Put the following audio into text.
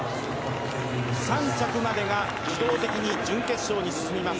３着までが自動的に準決勝に進みます。